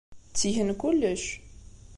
Ttgen kullec.